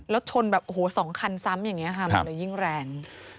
รถชนแบบ๒คันซ้ำอย่างนี้มันจะยิ่งแรง